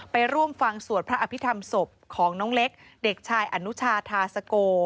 ไปร่วมฟังสวดพระอภิษฐรรมศพของน้องเล็กเด็กชายอนุชาธาสโก